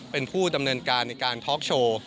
เป็นผู้ดำเนินการในการทอล์กโชว์